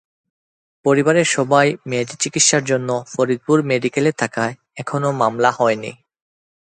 পরিবারের সবাই মেয়েটির চিকিৎসার জন্য ফরিদপুর মেডিকেলে থাকায় এখনো মামলা হয়নি।